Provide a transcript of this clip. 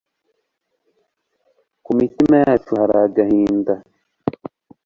kumitima yacu hari agahinda